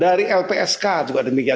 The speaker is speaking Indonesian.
dari lpsk juga demikian